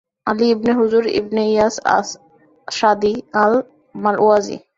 Ali ibn Hujr ibn Yas as Sadi আল-মারওয়াজি